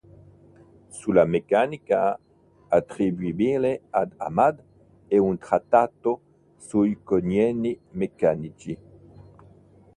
Sulla meccanica, attribuibile ad Aḥmad, è un trattato sui congegni meccanici.